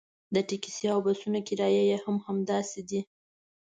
د ټکسي او بسونو کرایې هم همداسې دي.